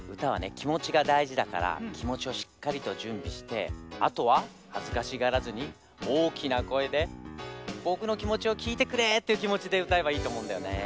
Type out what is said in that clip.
きもちがだいじだからきもちをしっかりとじゅんびしてあとははずかしがらずにおおきなこえでぼくのきもちをきいてくれっていうきもちでうたえばいいとおもうんだよねえ。